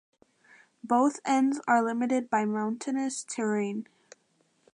Both ends are limited by mountainous terrain.